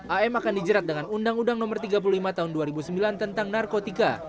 am akan dijerat dengan undang undang no tiga puluh lima tahun dua ribu sembilan tentang narkotika